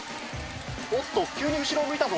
おっと急に後ろを向いたぞ。